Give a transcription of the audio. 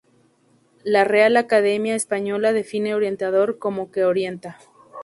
La Real Academia Española define orientador como "que orienta".